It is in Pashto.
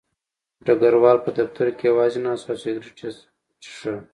ډګروال په دفتر کې یوازې ناست و او سګرټ یې څښه